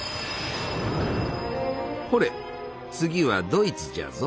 ほれ次はドイツじゃぞ。